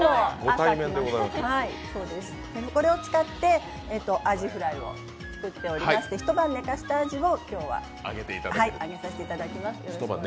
これを使ってあじふらいを作っておりまして一晩寝かせたあじを今日は揚げさせていただきます。